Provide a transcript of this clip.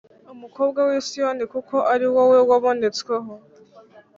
umukobwa w i Siyoni kuko ari wowe wabonetsweho